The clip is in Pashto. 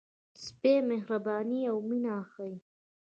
سپي مهرباني او مینه ښيي.